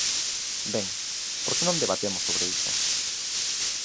Ben, ¿por que non debatemos sobre iso?